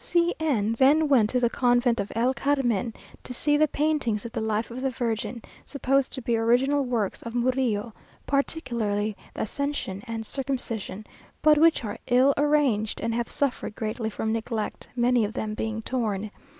C n then went to the convent of El Carmen, to see the paintings of the Life of the Virgin, supposed to be original works of Murillo, particularly the Ascension and Circumcision; but which are ill arranged, and have suffered greatly from neglect, many of them being torn.